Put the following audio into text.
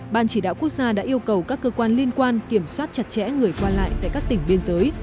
ban chỉ đạo quốc gia đã yêu cầu các cơ quan liên quan kiểm soát chặt chẽ người qua lại tại các tỉnh biên giới